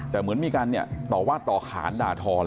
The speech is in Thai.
แต่เหมือนมีการต่อว่าต่อขานด่าทอเลย